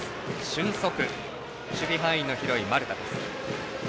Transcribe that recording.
俊足、守備範囲の広い丸田です。